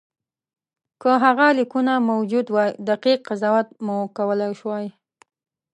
که هغه لیکونه موجود وای دقیق قضاوت مو کولای شوای.